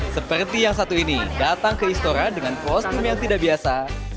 seperti yang satu ini datang ke istora dengan kostum yang tidak biasa